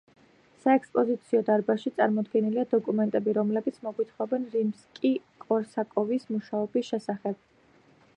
საექსპოზიციო დარბაზში წარმოდგენილია დოკუმენტები, რომლებიც მოგვითხრობენ რიმსკი-კორსაკოვის მუშაობის შესახებ.